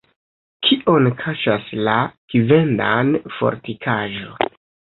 Kion kaŝas la Kvendan-fortikaĵo?